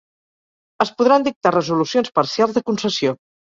Es podran dictar resolucions parcials de concessió.